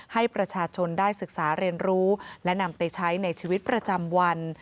ให้ประชาชนได้ศึกษาเรียนรู้และนำไปใช้ในชีวิตประจำวัน